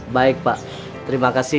baik pak terima kasih